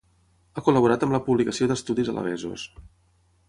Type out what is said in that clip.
Ha col·laborat amb la publicació d'estudis alabesos.